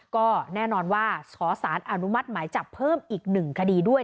ก็แน่นอนว่าขอสารอนุมัติหมายจับเพิ่มอีก๑คดีด้วย